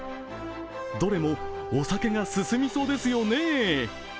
どれもお酒が進みそうですよね。